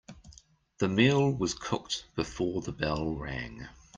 The meal was cooked before the bell rang.